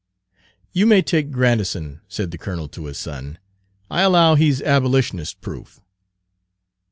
"You may take Grandison," said the colonel to his son. "I allow he's abolitionist proof."